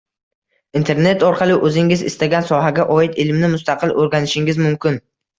Internet orqali o’zingiz istagan sohaga oid ilmni mustaqil o’rganishingiz mumkin